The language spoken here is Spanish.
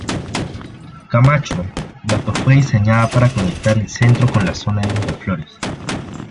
Camacho, la que fue diseñada para conectar el centro con la zona de Miraflores.